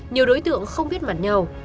nhiều đối tượng không biết mặt nhau